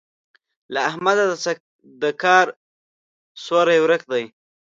له احمده د کار سوری ورک دی.